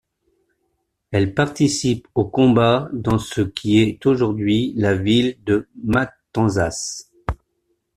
Elle participe aux combats dans ce qui est aujourd'hui la ville de Matanzas.